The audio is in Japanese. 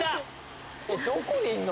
・どこにいんの？